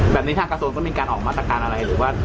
แบบนี้ทางกระโซนคือมีการออกมาตรการอะไรหรือว่า